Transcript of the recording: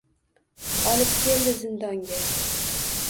Olib keldi zindonga.